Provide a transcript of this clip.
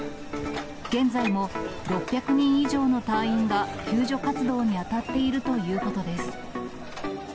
現在も６００人以上の隊員が救助活動に当たっているということです。